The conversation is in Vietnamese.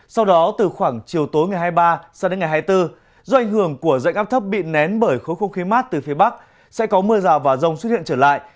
sau đó từ khoảng chiều tối ngày hai mươi ba sang đến ngày hai mươi bốn do ảnh hưởng của dạnh áp thấp bị nén bởi khối không khí mát từ phía bắc sẽ có mưa rào và rông xuất hiện trở lại